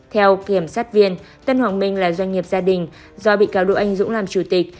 theo kiểm sát viên tân hoàng minh là doanh nghiệp gia đình do bị cáo đỗ anh dũng làm chủ tịch